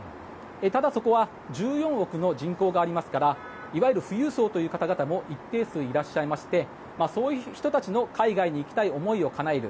ただ、そこは１４億の人口がありますからいわゆる富裕層の方々も一定数いらっしゃいましてそういう人たちの海外に行きたい思いをかなえる。